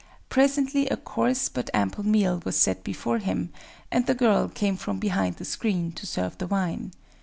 Presently a coarse but ample meal was set before him; and the girl came from behind the screen, to serve the wine.